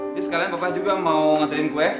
ini sekalian papa juga mau ngaterin kue